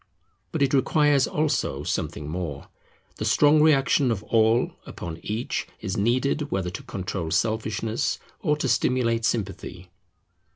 But it requires also something more. The strong reaction of All upon Each is needed, whether to control selfishness or to stimulate sympathy.